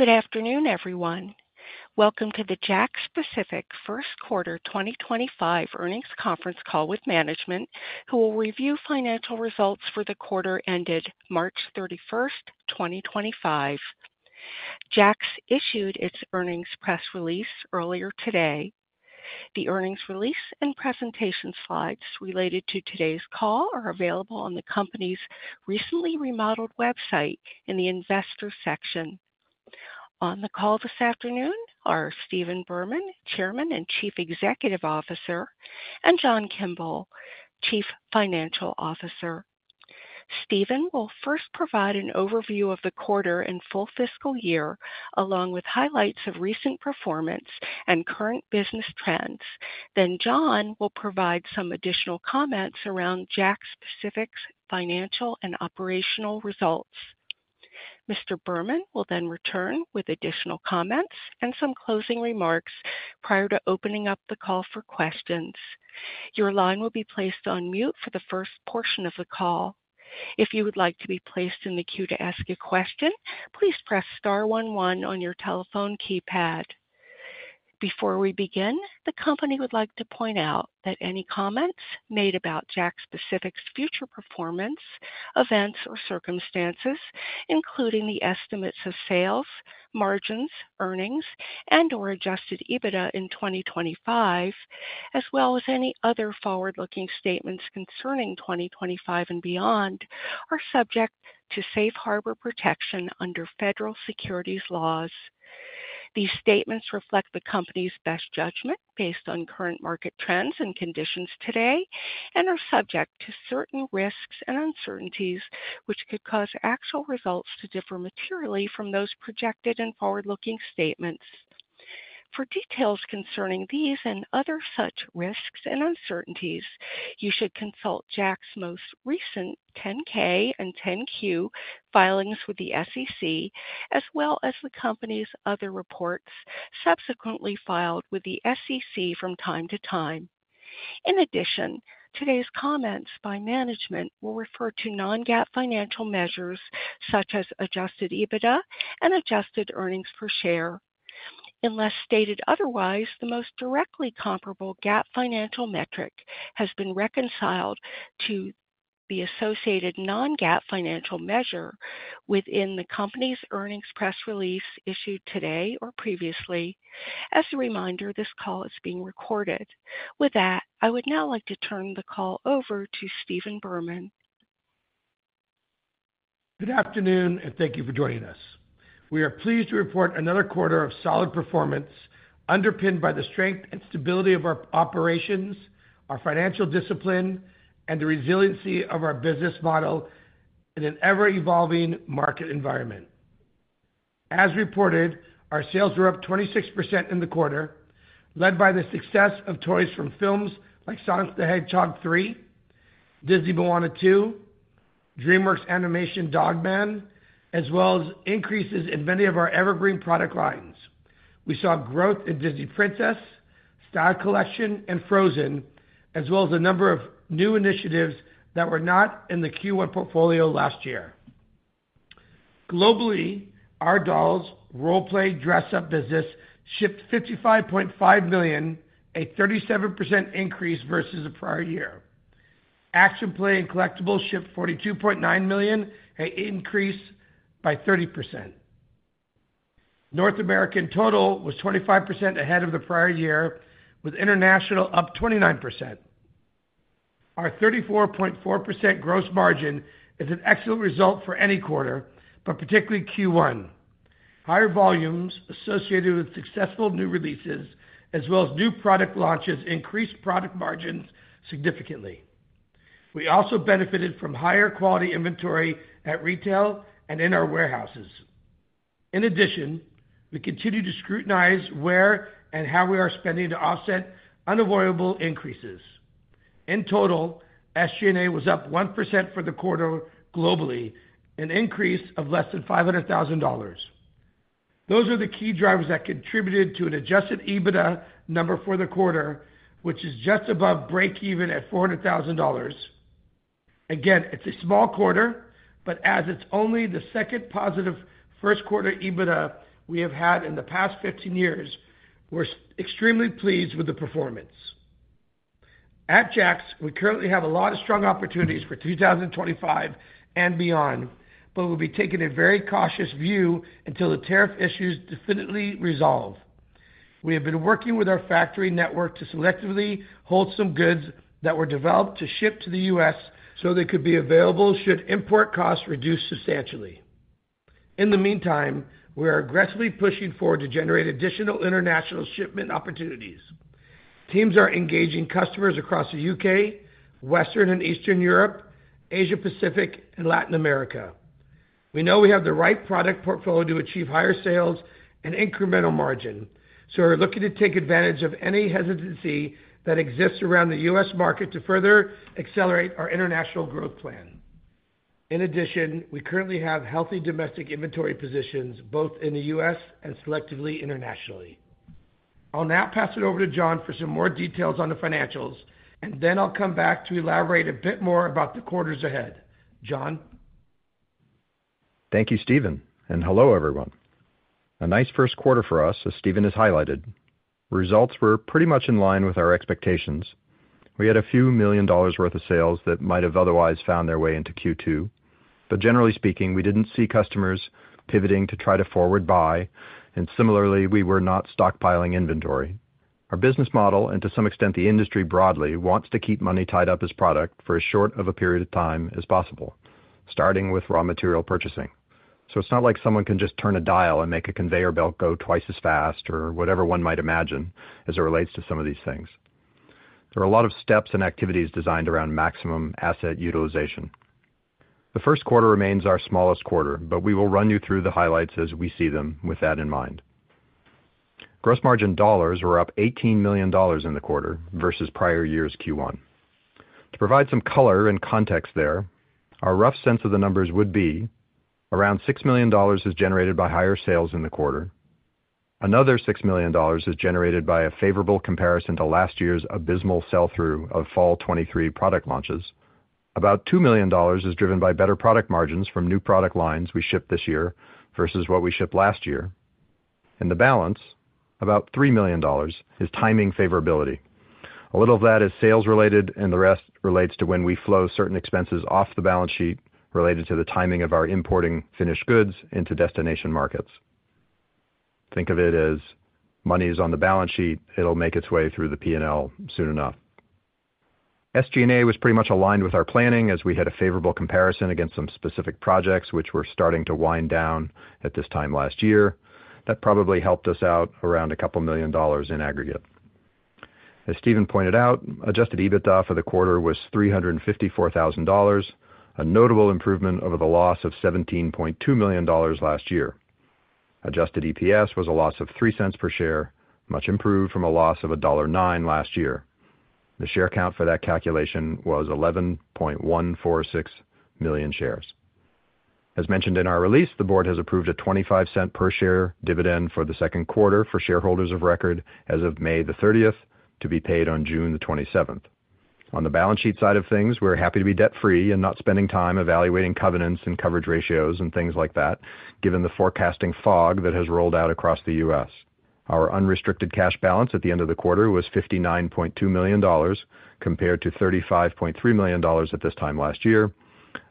Good afternoon, everyone. Welcome to the JAKKS Pacific First Quarter 2025 Earnings Conference call with management, who will review financial results for the quarter ended March 31, 2025. JAKKS issued its earnings press release earlier today. The earnings release and presentation slides related to today's call are available on the company's recently remodeled website in the Investor section. On the call this afternoon are Stephen Berman, Chairman and Chief Executive Officer, and John Kimble, Chief Financial Officer. Stephen will first provide an overview of the quarter and full fiscal year, along with highlights of recent performance and current business trends. John will provide some additional comments around JAKKS Pacific's financial and operational results. Mr. Berman will then return with additional comments and some closing remarks prior to opening up the call for questions. Your line will be placed on mute for the first portion of the call. If you would like to be placed in the queue to ask a question, please press star 11 on your telephone keypad. Before we begin, the company would like to point out that any comments made about JAKKS Pacific's future performance, events, or circumstances, including the estimates of sales, margins, earnings, and/or adjusted EBITDA in 2025, as well as any other forward-looking statements concerning 2025 and beyond, are subject to safe harbor protection under federal securities laws. These statements reflect the company's best judgment based on current market trends and conditions today and are subject to certain risks and uncertainties, which could cause actual results to differ materially from those projected and forward-looking statements. For details concerning these and other such risks and uncertainties, you should consult JAKKS's most recent 10-K and 10-Q filings with the SEC, as well as the company's other reports subsequently filed with the SEC from time to time. In addition, today's comments by management will refer to non-GAAP financial measures such as adjusted EBITDA and adjusted earnings per share. Unless stated otherwise, the most directly comparable GAAP financial metric has been reconciled to the associated non-GAAP financial measure within the company's earnings press release issued today or previously. As a reminder, this call is being recorded. With that, I would now like to turn the call over to Stephen Berman. Good afternoon, and thank you for joining us. We are pleased to report another quarter of solid performance underpinned by the strength and stability of our operations, our financial discipline, and the resiliency of our business model in an ever-evolving market environment. As reported, our sales were up 26% in the quarter, led by the success of toys from films like Sonic the Hedgehog 3, Disney Moana 2, DreamWorks Animation Dogman, as well as increases in many of our evergreen product lines. We saw growth in Disney Princess, Star Collection, and Frozen, as well as a number of new initiatives that were not in the Q1 portfolio last year. Globally, our dolls, role-play dress-up business, shipped 55.5 million, a 37% increase versus the prior year. Action Play and Collectibles shipped 42.9 million, an increase by 30%. North America in total was 25% ahead of the prior year, with international up 29%. Our 34.4% gross margin is an excellent result for any quarter, but particularly Q1. Higher volumes associated with successful new releases, as well as new product launches, increased product margins significantly. We also benefited from higher quality inventory at retail and in our warehouses. In addition, we continue to scrutinize where and how we are spending to offset unavoidable increases. In total, SG&A was up 1% for the quarter globally, an increase of less than $500,000. Those are the key drivers that contributed to an adjusted EBITDA number for the quarter, which is just above break-even at $400,000. Again, it's a small quarter, but as it's only the second positive first quarter EBITDA we have had in the past 15 years, we're extremely pleased with the performance. At JAKKS, we currently have a lot of strong opportunities for 2025 and beyond, but we'll be taking a very cautious view until the tariff issues definitively resolve. We have been working with our factory network to selectively hold some goods that were developed to ship to the U.S. so they could be available should import costs reduce substantially. In the meantime, we are aggressively pushing forward to generate additional international shipment opportunities. Teams are engaging customers across the U.K., Western and Eastern Europe, Asia Pacific, and Latin America. We know we have the right product portfolio to achieve higher sales and incremental margin, so we're looking to take advantage of any hesitancy that exists around the U.S. market to further accelerate our international growth plan. In addition, we currently have healthy domestic inventory positions both in the U.S. and selectively internationally. I'll now pass it over to John for some more details on the financials, and then I'll come back to elaborate a bit more about the quarters ahead. John. Thank you, Stephen. Hello, everyone. A nice first quarter for us, as Stephen has highlighted. Results were pretty much in line with our expectations. We had a few million dollars' worth of sales that might have otherwise found their way into Q2. Generally speaking, we did not see customers pivoting to try to forward buy, and similarly, we were not stockpiling inventory. Our business model, and to some extent the industry broadly, wants to keep money tied up as product for as short of a period of time as possible, starting with raw material purchasing. It is not like someone can just turn a dial and make a conveyor belt go twice as fast or whatever one might imagine as it relates to some of these things. There are a lot of steps and activities designed around maximum asset utilization. The First Quarter remains our smallest quarter, but we will run you through the highlights as we see them with that in mind. Gross Margin Dollars were up $18 million in the quarter versus prior year's Q1. To provide some color and context there, our rough sense of the numbers would be around $6 million has been generated by higher sales in the quarter. Another $6 million has been generated by a favorable comparison to last year's abysmal sell-through of Fall 2023 product launches. About $2 million has been driven by better product margins from new product lines we shipped this year versus what we shipped last year. In the balance, about $3 million is timing favorability. A little of that is sales-related, and the rest relates to when we flow certain expenses off the balance sheet related to the timing of our importing finished goods into destination markets. Think of it as money is on the balance sheet; it'll make its way through the P&L soon enough. SG&A was pretty much aligned with our planning as we had a favorable comparison against some specific projects, which were starting to wind down at this time last year. That probably helped us out around a couple million dollars in aggregate. As Stephen pointed out, adjusted EBITDA for the quarter was $354,000, a notable improvement over the loss of $17.2 million last year. Adjusted EPS was a loss of $0.03 per share, much improved from a loss of $1.09 last year. The share count for that calculation was 11.146 million shares. As mentioned in our release, the board has approved a $0.25 per share dividend for the second quarter for shareholders of record as of May the 30th to be paid on June the 27th. On the balance sheet side of things, we're happy to be debt-free and not spending time evaluating covenants and coverage ratios and things like that, given the forecasting fog that has rolled out across the U.S. Our unrestricted cash balance at the end of the quarter was $59.2 million compared to $35.3 million at this time last year.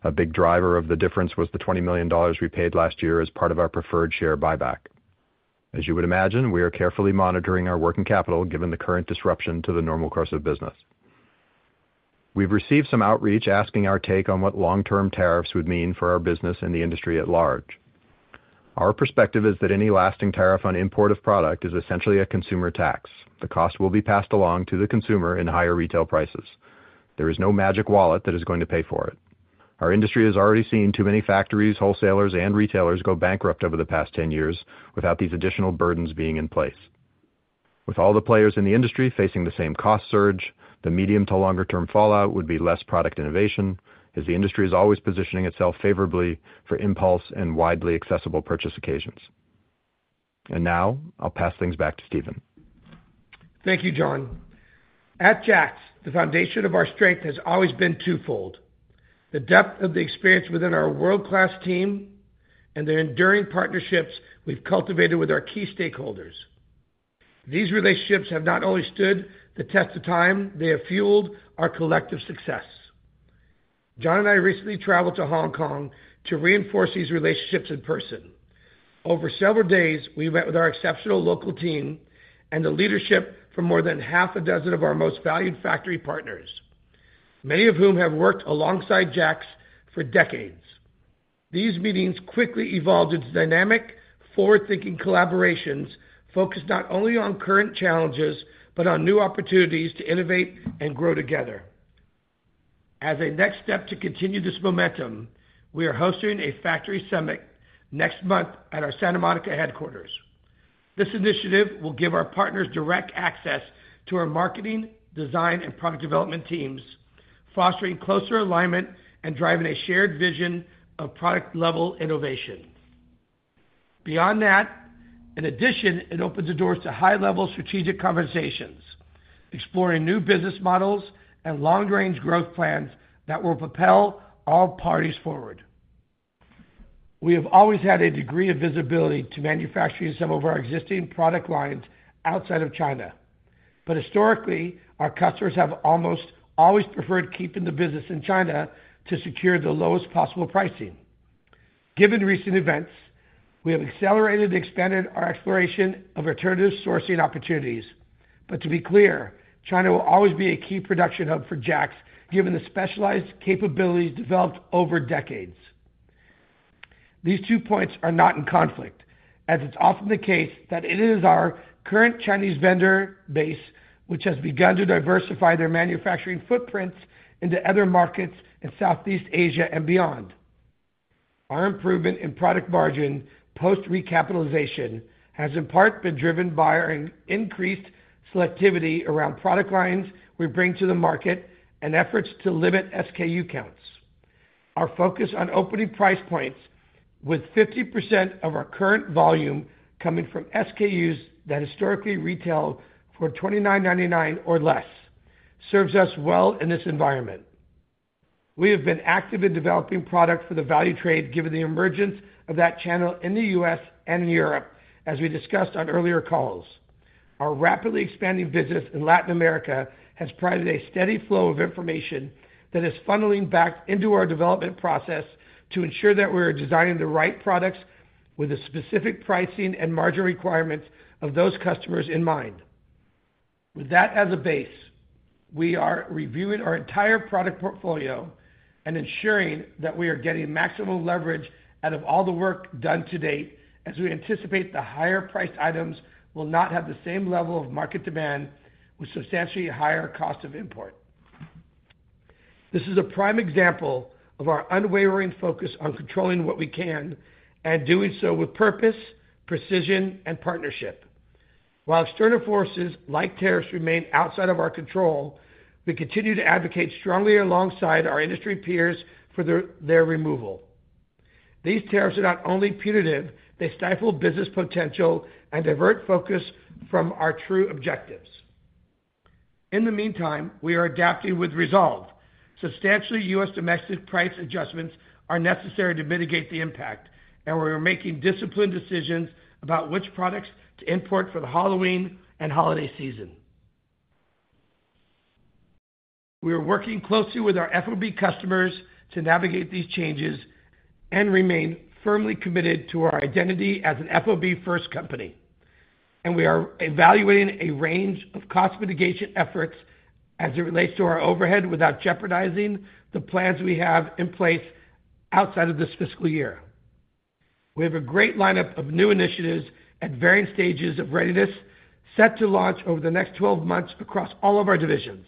A big driver of the difference was the $20 million we paid last year as part of our preferred share buyback. As you would imagine, we are carefully monitoring our working capital given the current disruption to the normal course of business. We've received some outreach asking our take on what long-term tariffs would mean for our business and the industry at large. Our perspective is that any lasting tariff on import of product is essentially a consumer tax. The cost will be passed along to the consumer in higher retail prices. There is no magic wallet that is going to pay for it. Our industry has already seen too many factories, wholesalers, and retailers go bankrupt over the past 10 years without these additional burdens being in place. With all the players in the industry facing the same cost surge, the medium to longer-term fallout would be less product innovation, as the industry is always positioning itself favorably for impulse and widely accessible purchase occasions. Now, I'll pass things back to Stephen. Thank you, John. At JAKKS, the foundation of our strength has always been twofold: the depth of the experience within our world-class team and the enduring partnerships we've cultivated with our key stakeholders. These relationships have not only stood the test of time, they have fueled our collective success. John and I recently traveled to Hong Kong to reinforce these relationships in person. Over several days, we met with our exceptional local team and the leadership from more than half a dozen of our most valued factory partners, many of whom have worked alongside JAKKS for decades. These meetings quickly evolved into dynamic, forward-thinking collaborations focused not only on current challenges but on new opportunities to innovate and grow together. As a next step to continue this momentum, we are hosting a factory summit next month at our Santa Monica headquarters. This initiative will give our partners direct access to our marketing, design, and product development teams, fostering closer alignment and driving a shared vision of product-level innovation. Beyond that, in addition, it opens the doors to high-level strategic conversations, exploring new business models and long-range growth plans that will propel all parties forward. We have always had a degree of visibility to manufacturing some of our existing product lines outside of China. Historically, our customers have almost always preferred keeping the business in China to secure the lowest possible pricing. Given recent events, we have accelerated and expanded our exploration of alternative sourcing opportunities. To be clear, China will always be a key production hub for JAKKS, given the specialized capabilities developed over decades. These two points are not in conflict, as it's often the case that it is our current Chinese vendor base, which has begun to diversify their manufacturing footprints into other markets in Southeast Asia and beyond. Our improvement in product margin post-recapitalization has in part been driven by our increased selectivity around product lines we bring to the market and efforts to limit SKU counts. Our focus on opening price points with 50% of our current volume coming from SKUs that historically retail for $29.99 or less serves us well in this environment. We have been active in developing product for the value trade, given the emergence of that channel in the U.S. and in Europe, as we discussed on earlier calls. Our rapidly expanding business in Latin America has provided a steady flow of information that is funneling back into our development process to ensure that we are designing the right products with the specific pricing and margin requirements of those customers in mind. With that as a base, we are reviewing our entire product portfolio and ensuring that we are getting maximum leverage out of all the work done to date, as we anticipate the higher-priced items will not have the same level of market demand with substantially higher cost of import. This is a prime example of our unwavering focus on controlling what we can and doing so with purpose, precision, and partnership. While external forces like tariffs remain outside of our control, we continue to advocate strongly alongside our industry peers for their removal. These tariffs are not only punitive. They stifle business potential and divert focus from our true objectives. In the meantime, we are adapting with resolve. Substantial U.S. domestic price adjustments are necessary to mitigate the impact, and we are making disciplined decisions about which products to import for the Halloween and holiday season. We are working closely with our FOB customers to navigate these changes and remain firmly committed to our identity as an FOB-first company. We are evaluating a range of cost mitigation efforts as it relates to our overhead without jeopardizing the plans we have in place outside of this fiscal year. We have a great lineup of new initiatives at varying stages of readiness set to launch over the next 12 months across all of our divisions.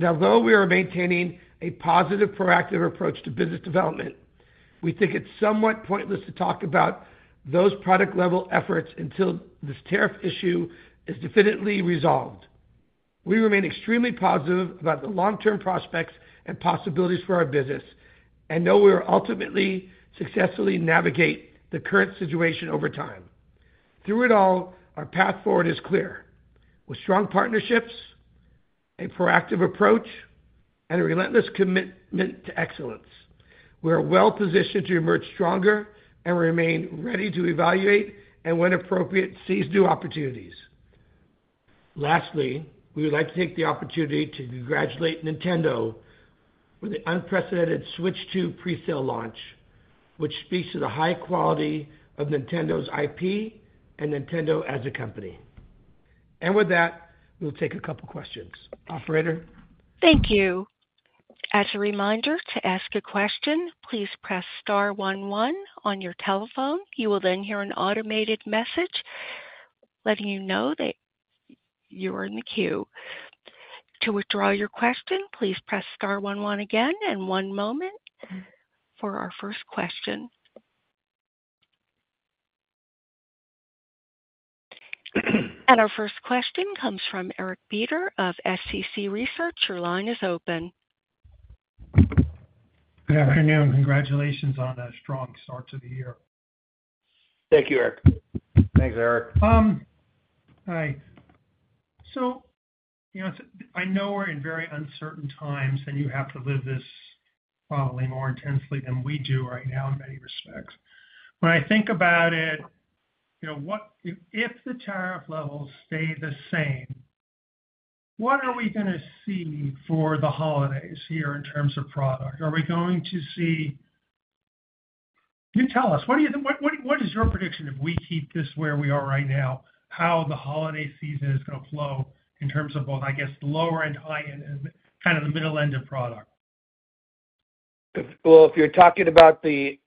Although we are maintaining a positive, proactive approach to business development, we think it's somewhat pointless to talk about those product-level efforts until this tariff issue is definitively resolved. We remain extremely positive about the long-term prospects and possibilities for our business and know we will ultimately successfully navigate the current situation over time. Through it all, our path forward is clear. With strong partnerships, a proactive approach, and a relentless commitment to excellence, we are well-positioned to emerge stronger and remain ready to evaluate and, when appropriate, seize new opportunities. Lastly, we would like to take the opportunity to congratulate Nintendo with the unprecedented Switch 2 pre-sale launch, which speaks to the high quality of Nintendo's IP and Nintendo as a company. With that, we'll take a couple of questions. Operator. Thank you. As a reminder, to ask a question, please press star 11 on your telephone. You will then hear an automated message letting you know that you are in the queue. To withdraw your question, please press star 11 again. One moment for our first question. Our first question comes from Eric Beder of SCC Research. Your line is open. Good afternoon. Congratulations on a strong start to the year. Thank you, Eric. Thanks, Eric. Hi. I know we're in very uncertain times, and you have to live this probably more intensely than we do right now in many respects. When I think about it, if the tariff levels stay the same, what are we going to see for the holidays here in terms of product? Are we going to see—you tell us. What is your prediction if we keep this where we are right now, how the holiday season is going to flow in terms of both, I guess, lower and high end and kind of the middle end of product? If you're talking about the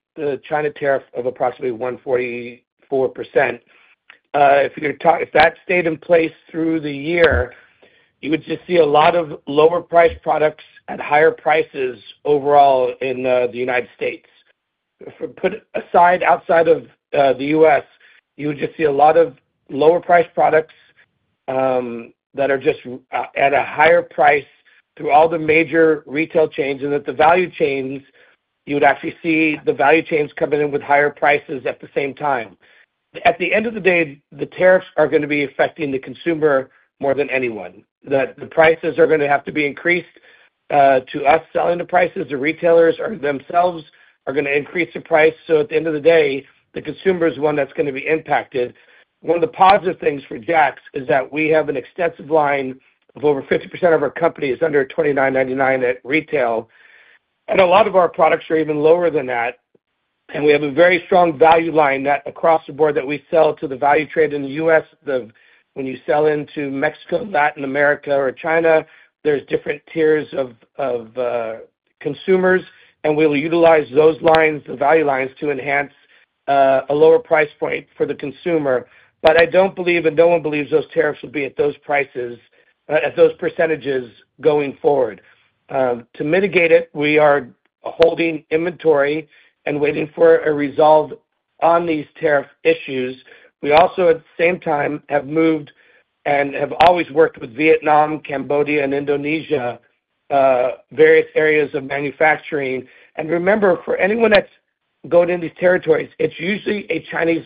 China tariff of approximately 144%, if that stayed in place through the year, you would just see a lot of lower-priced products at higher prices overall in the U.S. Put aside, outside of the U.S., you would just see a lot of lower-priced products that are just at a higher price through all the major retail chains. At the value chains, you would actually see the value chains coming in with higher prices at the same time. At the end of the day, the tariffs are going to be affecting the consumer more than anyone. The prices are going to have to be increased to us selling the prices. The retailers themselves are going to increase the price. At the end of the day, the consumer is one that's going to be impacted. One of the positive things for JAKKS is that we have an extensive line of over 50% of our company is under $29.99 at retail. A lot of our products are even lower than that. We have a very strong value line across the board that we sell to the value trade in the U.S. When you sell into Mexico, Latin America, or China, there are different tiers of consumers. We will utilize those lines, the value lines, to enhance a lower price point for the consumer. I do not believe, and no one believes, those tariffs will be at those prices, at those percentages going forward. To mitigate it, we are holding inventory and waiting for a resolve on these tariff issues. We also, at the same time, have moved and have always worked with Vietnam, Cambodia, and Indonesia, various areas of manufacturing. Remember, for anyone that's going in these territories, it's usually a Chinese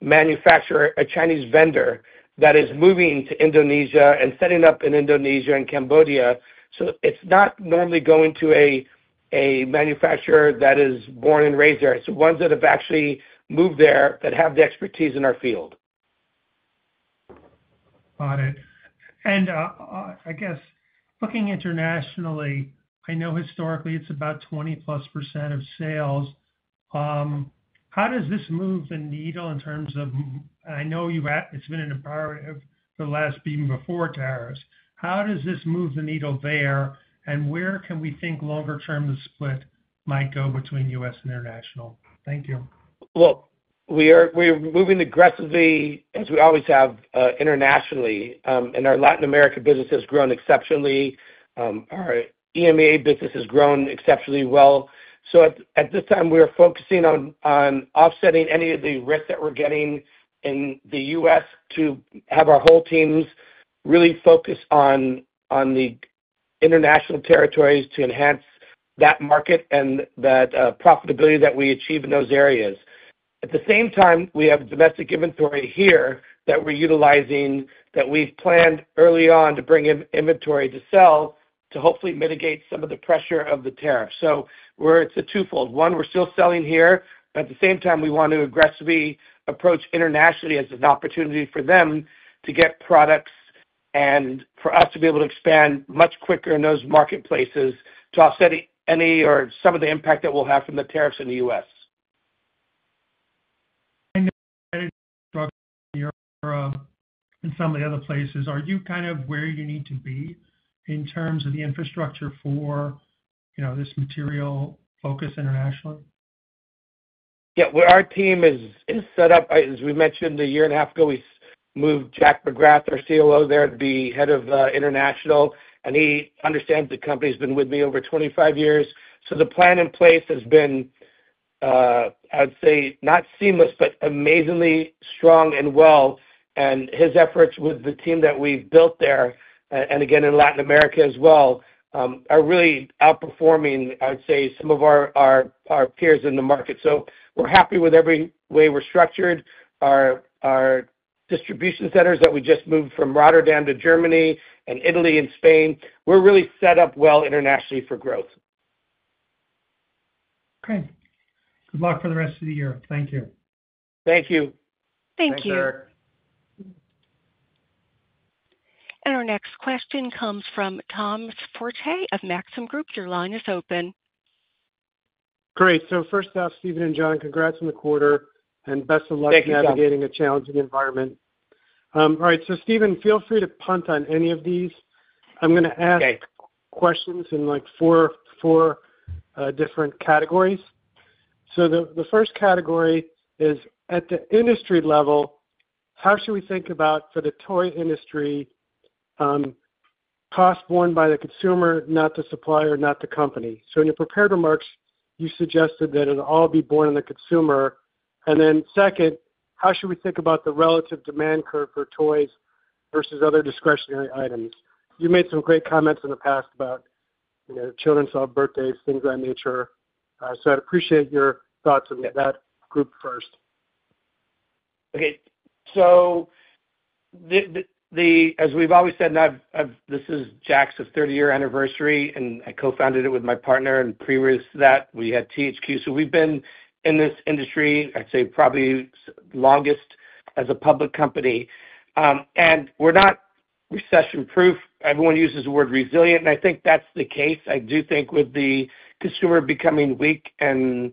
manufacturer, a Chinese vendor that is moving to Indonesia and setting up in Indonesia and Cambodia. It's not normally going to a manufacturer that is born and raised there. It's the ones that have actually moved there that have the expertise in our field. Got it. I guess looking internationally, I know historically it's about 20% of sales. How does this move the needle in terms of—I know it's been an imperative for the last even before tariffs. How does this move the needle there, and where can we think longer-term the split might go between U.S. and international? Thank you. We are moving aggressively, as we always have, internationally. Our Latin America business has grown exceptionally. Our EMEA business has grown exceptionally well. At this time, we are focusing on offsetting any of the risk that we're getting in the U.S. to have our whole teams really focus on the international territories to enhance that market and that profitability that we achieve in those areas. At the same time, we have domestic inventory here that we're utilizing that we've planned early on to bring inventory to sell to hopefully mitigate some of the pressure of the tariff. It is a twofold. One, we're still selling here. At the same time, we want to aggressively approach internationally as an opportunity for them to get products and for us to be able to expand much quicker in those marketplaces to offset any or some of the impact that we'll have from the tariffs in the U.S. You're in some of the other places. Are you kind of where you need to be in terms of the infrastructure for this material focus internationally? Yeah. Our team is set up, as we mentioned a year and a half ago, we moved Jack McGrath, our COO there, to be head of international. And he understands the company. He's been with me over 25 years. The plan in place has been, I'd say, not seamless, but amazingly strong and well. His efforts with the team that we've built there, and again, in Latin America as well, are really outperforming, I'd say, some of our peers in the market. We're happy with every way we're structured. Our distribution centers that we just moved from Rotterdam to Germany and Italy and Spain, we're really set up well internationally for growth. Okay. Good luck for the rest of the year. Thank you. Thank you. Thank you. Thanks, Eric. Our next question comes from Tom Forte of Maxim Group. Your line is open. Great. First off, Stephen and John, congrats on the quarter and best of luck navigating a challenging environment. All right. Stephen, feel free to punt on any of these. I'm going to ask questions in four different categories. The first category is, at the industry level, how should we think about, for the toy industry, cost borne by the consumer, not the supplier, not the company? In your prepared remarks, you suggested that it'll all be borne on the consumer. Second, how should we think about the relative demand curve for toys versus other discretionary items? You made some great comments in the past about children's birthdays, things of that nature. I'd appreciate your thoughts on that group first. Okay. As we've always said, this is JAKKS's 30-year anniversary, and I co-founded it with my partner. Previous to that, we had THQ. We've been in this industry, I'd say, probably the longest as a public company. We're not recession-proof. Everyone uses the word resilient. I think that's the case. I do think with the consumer becoming weak and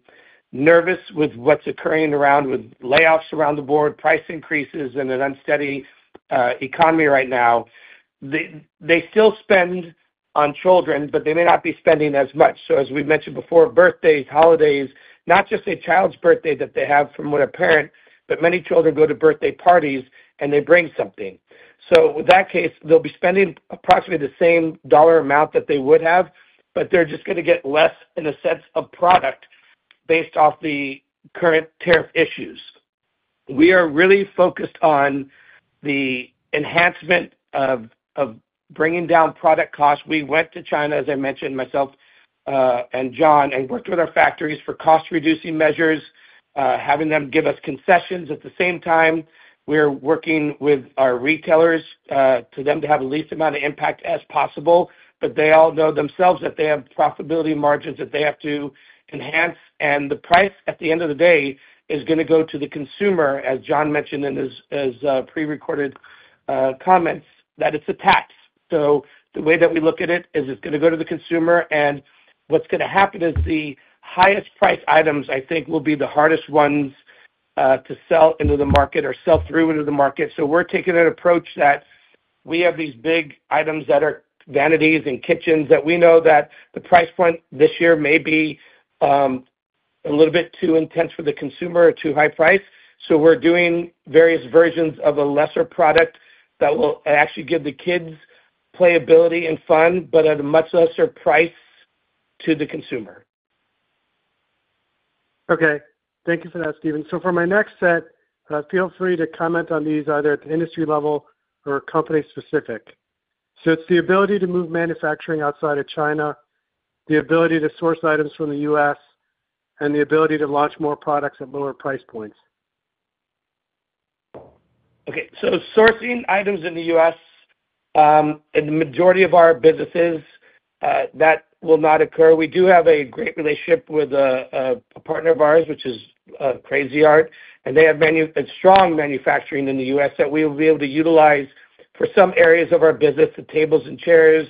nervous with what's occurring around with layoffs around the board, price increases, and an unsteady economy right now, they still spend on children, but they may not be spending as much. As we mentioned before, birthdays, holidays, not just a child's birthday that they have from a parent, but many children go to birthday parties and they bring something. In that case, they'll be spending approximately the same dollar amount that they would have, but they're just going to get less in a sense of product based off the current tariff issues. We are really focused on the enhancement of bringing down product costs. We went to China, as I mentioned, myself and John, and worked with our factories for cost-reducing measures, having them give us concessions. At the same time, we're working with our retailers to have the least amount of impact as possible. They all know themselves that they have profitability margins that they have to enhance. The price, at the end of the day, is going to go to the consumer, as John mentioned in his pre-recorded comments, that it's a tax. The way that we look at it is it's going to go to the consumer. What's going to happen is the highest price items, I think, will be the hardest ones to sell into the market or sell through into the market. We are taking an approach that we have these big items that are vanities and kitchens that we know that the price point this year may be a little bit too intense for the consumer or too high priced. We are doing various versions of a lesser product that will actually give the kids playability and fun, but at a much lesser price to the consumer. Okay. Thank you for that, Stephen. For my next set, feel free to comment on these either at the industry level or company-specific. It is the ability to move manufacturing outside of China, the ability to source items from the U.S., and the ability to launch more products at lower price points. Okay. Sourcing items in the U.S., in the majority of our businesses, that will not occur. We do have a great relationship with a partner of ours, which is Crazy Art. They have strong manufacturing in the U.S. that we will be able to utilize for some areas of our business, the tables and chairs,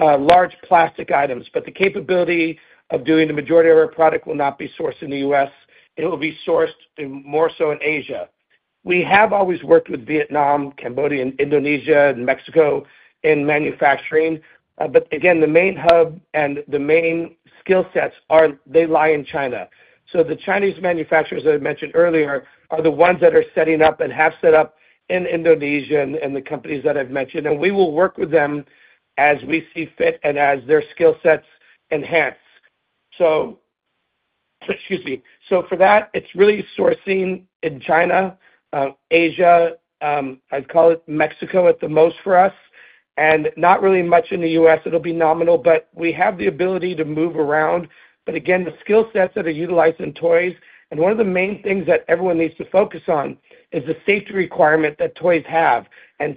large plastic items. The capability of doing the majority of our product will not be sourced in the U.S. It will be sourced more so in Asia. We have always worked with Vietnam, Cambodia, and Indonesia and Mexico in manufacturing. Again, the main hub and the main skill sets are they lie in China. The Chinese manufacturers that I mentioned earlier are the ones that are setting up and have set up in Indonesia and the companies that I've mentioned. We will work with them as we see fit and as their skill sets enhance. For that, it's really sourcing in China, Asia, I'd call it Mexico at the most for us, and not really much in the U.S. It'll be nominal, but we have the ability to move around. Again, the skill sets that are utilized in toys. One of the main things that everyone needs to focus on is the safety requirement that toys have.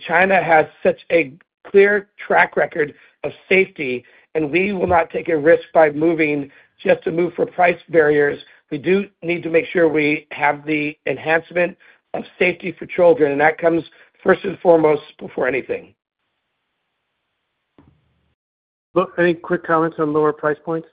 China has such a clear track record of safety. We will not take a risk by moving just to move for price barriers. We do need to make sure we have the enhancement of safety for children. That comes first and foremost before anything. Any quick comments on lower price points?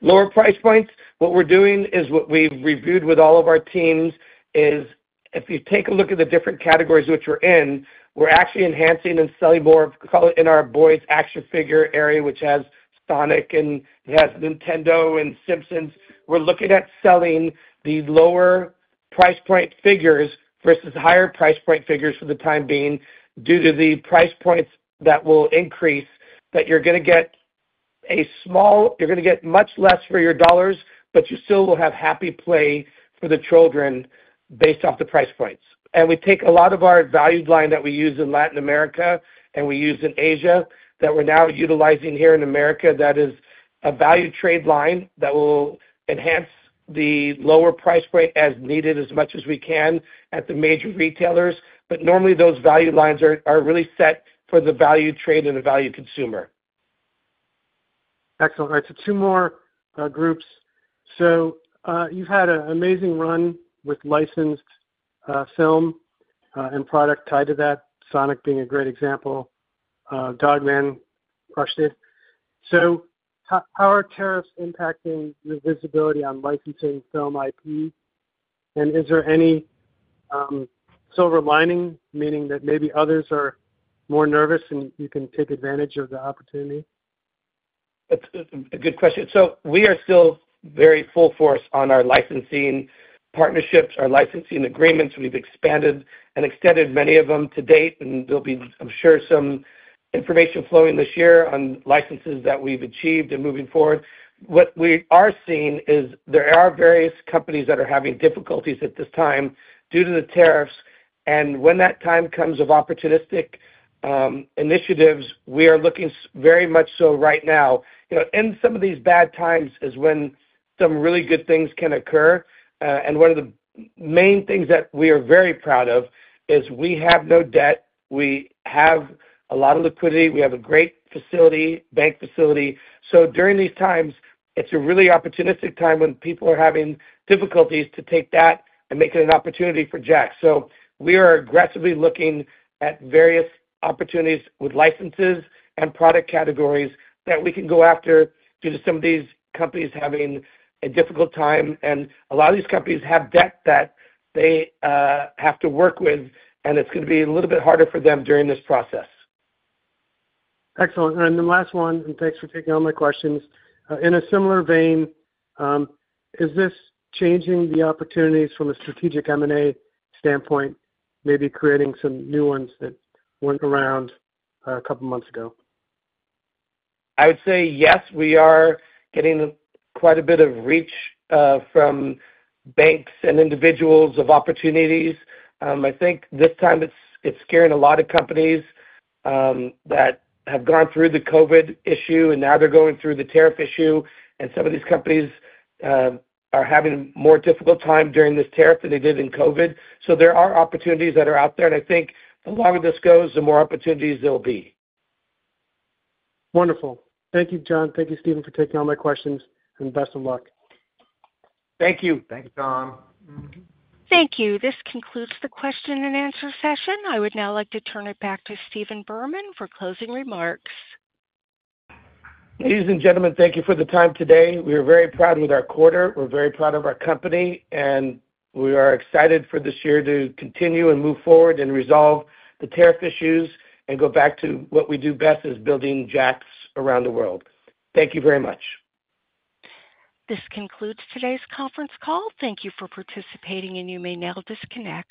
Lower price points. What we're doing is what we've reviewed with all of our teams is if you take a look at the different categories which we're in, we're actually enhancing and selling more of, call it, in our boys' action figure area, which has Sonic and has Nintendo and Simpsons. We're looking at selling the lower price point figures versus higher price point figures for the time being due to the price points that will increase, that you're going to get a small, you're going to get much less for your dollars, but you still will have happy play for the children based off the price points. We take a lot of our value line that we use in Latin America and we use in Asia that we're now utilizing here in America. That is a value trade line that will enhance the lower price point as needed as much as we can at the major retailers. Normally, those value lines are really set for the value trade and the value consumer. Excellent. All right. Two more groups. You've had an amazing run with licensed film and product tied to that, Sonic being a great example, Dogman crushed it. How are tariffs impacting your visibility on licensing film IP? Is there any silver lining, meaning that maybe others are more nervous and you can take advantage of the opportunity? That's a good question. We are still very full force on our licensing partnerships, our licensing agreements. We've expanded and extended many of them to date. There'll be, I'm sure, some information flowing this year on licenses that we've achieved and moving forward. What we are seeing is there are various companies that are having difficulties at this time due to the tariffs. When that time comes of opportunistic initiatives, we are looking very much so right now. In some of these bad times is when some really good things can occur. One of the main things that we are very proud of is we have no debt. We have a lot of liquidity. We have a great facility, bank facility. During these times, it's a really opportunistic time when people are having difficulties to take that and make it an opportunity for JAKKS. We are aggressively looking at various opportunities with licenses and product categories that we can go after due to some of these companies having a difficult time. A lot of these companies have debt that they have to work with, and it's going to be a little bit harder for them during this process. Excellent. Last one, and thanks for taking all my questions. In a similar vein, is this changing the opportunities from a strategic M&A standpoint, maybe creating some new ones that were not around a couple of months ago? I would say yes, we are getting quite a bit of reach from banks and individuals of opportunities. I think this time it's scaring a lot of companies that have gone through the COVID issue, and now they're going through the tariff issue. Some of these companies are having a more difficult time during this tariff than they did in COVID. There are opportunities that are out there. I think the longer this goes, the more opportunities there will be. Wonderful. Thank you, John. Thank you, Stephen, for taking all my questions. Best of luck. Thank you. Thank you, John. Thank you. This concludes the question and answer session. I would now like to turn it back to Stephen Berman for closing remarks. Ladies and gentlemen, thank you for the time today. We are very proud with our quarter. We're very proud of our company. We are excited for this year to continue and move forward and resolve the tariff issues and go back to what we do best is building JAKKS around the world. Thank you very much. This concludes today's conference call. Thank you for participating, and you may now disconnect.